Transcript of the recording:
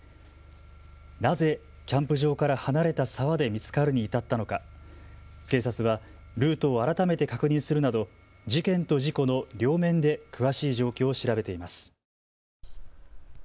なぜキャンプ場から離れた沢で見つかるに至ったのか、警察はルートを改めて確認するなど事件と事故の両面で詳しい状況を調べています。